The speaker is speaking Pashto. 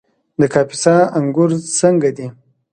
د کاپیسا انګور څنګه دي؟